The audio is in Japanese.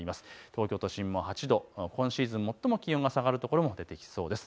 東京都心も８度、今シーズン最も気温が下がる所も出てきそうです。